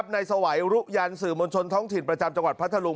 ในสวัยรุยันสื่อมวลชนท้องถิ่นประจำจังหวัดพัทธรุง